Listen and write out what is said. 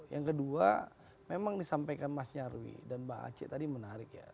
yang kedua memang disampaikan mas nyarwi dan mbak aceh tadi menarik ya